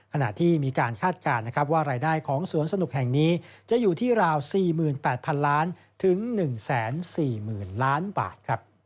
ขณะที่มีการคาดการณ์ว่ารายได้ของสวนสนุกแห่งนี้จะอยู่ที่ราว๔๘๐๐๐ล้านถึง๑๔๐๐๐ล้านบาท